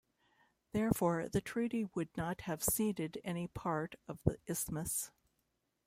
Therefore, the Treaty would not have ceded any part of the isthmus.